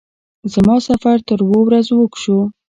زما سفر تر اوو ورځو اوږد شو.